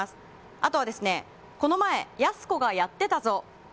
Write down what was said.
あとはこの前、やす子がやってたぞ。